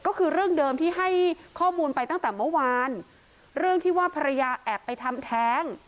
ก็คือเรื่องเดิมที่ให้ข้อมูลไปตั้งแต่เมื่อวานเรื่องที่ว่าภรรยาแอบไปทำแท้ง